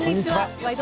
「ワイド！